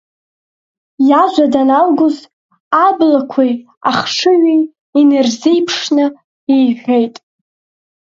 Иажәа даналгоз, аблақәеи ахшыҩи инарзеиԥшны иҳәеит…